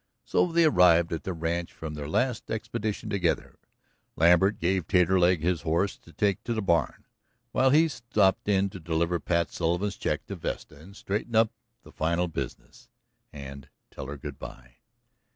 So they arrived at the ranch from their last expedition together. Lambert gave Taterleg his horse to take to the barn, while he stopped in to deliver Pat Sullivan's check to Vesta and straighten up the final business, and tell her good bye.